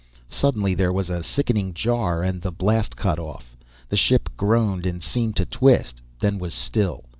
Suddenly there was a sickening jar and the blast cut off. The ship groaned and seemed to twist, then was still.